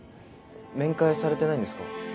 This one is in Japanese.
面会されてないんですか？